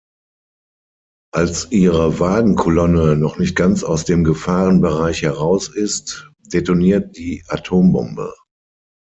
Als ihre Wagenkolonne noch nicht ganz aus dem Gefahrenbereich heraus ist, detoniert die Atombombe.